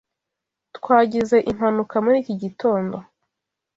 Twagize impaka muri iki gitondo.